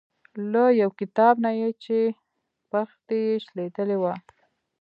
له یو کتاب نه یې چې پښتۍ یې شلیدلې وه.